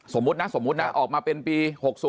สมมุตินะสมมุตินะออกมาเป็นปี๖๐